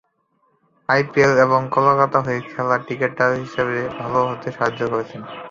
IPL এবং কলকাতার হয়ে খেলা ক্রিকেটার হিসেবে ভালো হতে সাহায্য করেছে।